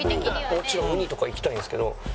もちろんウニとかいきたいんですけど。